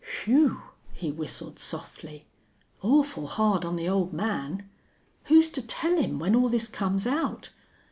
"Whew!" he whistled softly. "Awful hard on the old man! Who's to tell him when all this comes out?